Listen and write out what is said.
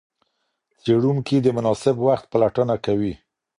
څېړونکي د مناسب وخت پلټنه کوي.